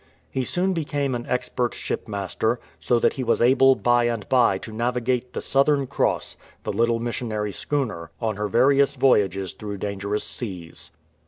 He soon became an expert shipmaster, so that he was able by and by to navigate the Southern Cross, the little missionary schooner, on her various voyages through dangerous seas.